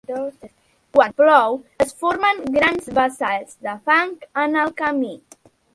Quan plou, es formen grans bassals de fang en el camí.